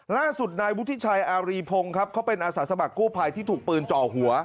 ล่าสุดนายบุธิชัยอารีพงษ์เป็นอสสมัครกู่ภัยที่ถูกปืนจ่อหัว